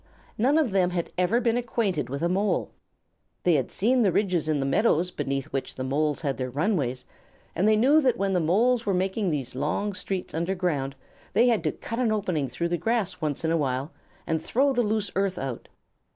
None of them had ever been acquainted with a Mole. They had seen the ridges in the meadows beneath which the Moles had their runways, and they knew that when the Moles were making these long streets under ground, they had to cut an opening through the grass once in a while and throw the loose earth out.